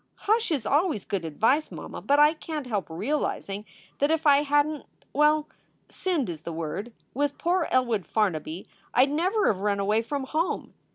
"Hush is always good advice, mamma, but I can t help realizing that if I hadn t well, sinned is the word with poor Elwood Farnaby I d never have run away from home.